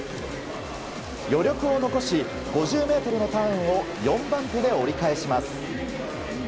余力を残し、５０ｍのターンを４番手で折り返します。